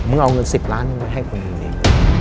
มึงเอาเงิน๑๐ล้านเงินให้คนอื่นเอง